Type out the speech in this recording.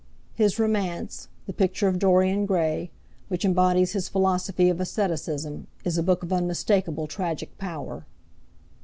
His romance, The Picture of Dorian Gray, which embodies his philosophy of aestheticism, is a book of unmistakable tragic power.